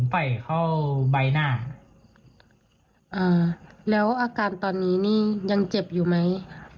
ไฟเข้าใบหน้าอ่าแล้วอาการตอนนี้นี่ยังเจ็บอยู่ไหม